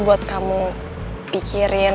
buat kamu pikirin